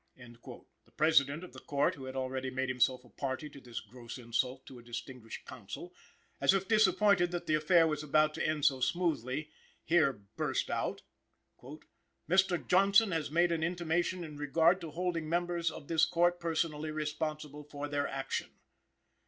The President of the Court, who had already made himself a party to this gross insult to a distinguished counsel as if disappointed that the affair was about to end so smoothly here burst out: "Mr. Johnson has made an intimation in regard to holding members of this Court personally responsible for their action.